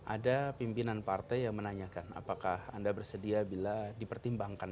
ada pimpinan partai yang menanyakan apakah anda bersedia bila dipertimbangkan